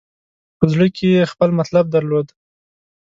په زړه کې یې خپل مطلب درلود.